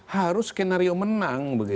harus skenario menang